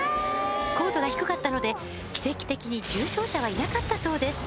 高度が低かったので奇跡的に重傷者はいなかったそうです